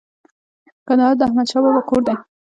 کندهار د احمد شاه بابا کور دی